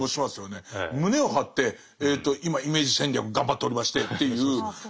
胸を張って「今イメージ戦略頑張っておりまして」っていう。